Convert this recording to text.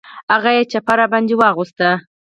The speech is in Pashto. هغه یې چپه را باندې واغوست.